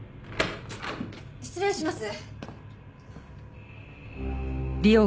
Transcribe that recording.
失礼します。